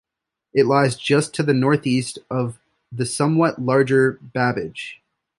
It lies just to the northwest of the somewhat larger Babbage.